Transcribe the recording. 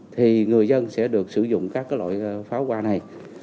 thì người dân sẽ được sử dụng các loại pháo hoa này